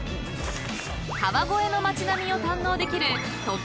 ［川越の町並みを堪能できる］